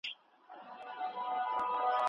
که پلان بدل شي نو ټیم باید ژر عیار شي د ستونزې پرته.